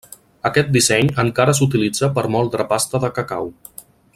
Aquest disseny encara s'utilitza per moldre pasta de cacau.